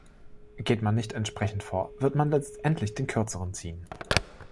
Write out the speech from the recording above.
Geht man nicht entsprechend vor, wird man letztendlich den Kürzeren ziehen.